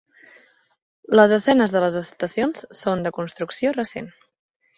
Les escenes de les estacions són de construcció recent.